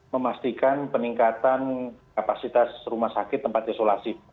memastikan peningkatan kapasitas rumah sakit tempat isolasi